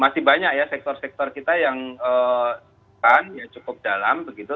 masih banyak ya sektor sektor kita yang cukup dalam begitu